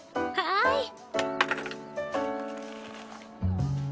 はい。